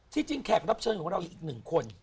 จริงแขกรับเชิญของเราอีกหนึ่งคน